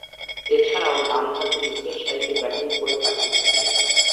এছাড়াও ডানহাতে নিচের সারিতে ব্যাটিং করে থাকেন তিনি।